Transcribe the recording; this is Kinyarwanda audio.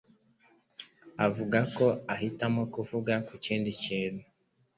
avuga ko ahitamo kuvuga ku kindi kintu.